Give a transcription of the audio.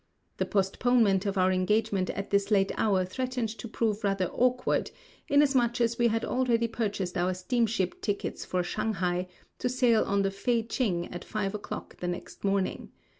The postponement of our engagement at this late hour threatened to prove rather awkward, inasmuch as we had already purchased our steamship tickets for Shanghai, to sail on the Fei ching at five o'clock the next morning.